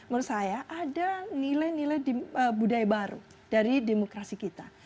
menurut saya ada nilai nilai budaya baru dari demokrasi kita